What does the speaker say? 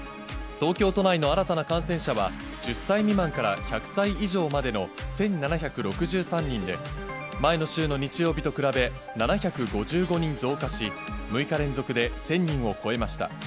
東京都内の新たな感染者は、１０歳未満から１００歳以上までの１７６３人で、前の週の日曜日と比べ、７５５人増加し、６日連続で１０００人を超えました。